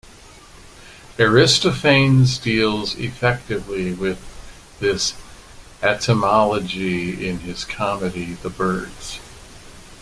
Aristophanes deals effectively with this etymology in his comedy "The Birds".